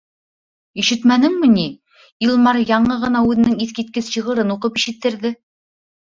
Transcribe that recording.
Ишетмәнеңме ни, Илмар яңы ғына үҙенең иҫ киткес шиғырын уҡып ишеттерҙе.